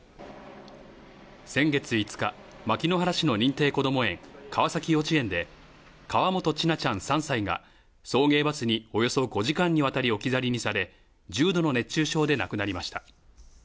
先月５日、牧之原市の認定こども園、川崎幼稚園で、河本千奈ちゃん３歳が、送迎バスにおよそ５時間にわたり置き去りにされ、重度の熱中症で亡くなりました。